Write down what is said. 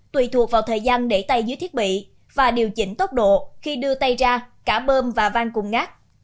tùy thuộc vào thời gian để tay dưới thiết bị và điều chỉnh tốc độ khi đưa tay ra cả bơm và van cùng ngát